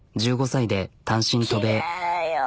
１５歳で単身渡米。